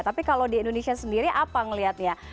tapi kalau di indonesia sendiri apa ngelihatnya